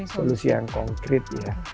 solusi yang konkret ya